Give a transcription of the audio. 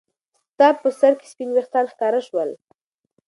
ستا په سر کې سپین ويښتان ښکاره شول.